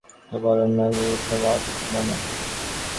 অদ্বৈতবাদী বা বিশিষ্টাদ্বৈতবাদী এ কথা বলেন না যে, দ্বৈতবাদ ভ্রমাত্মক।